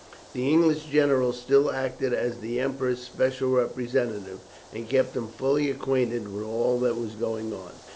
The English general still acted as the Emperor's special representative, and kept him fully acquainted with all that was going on.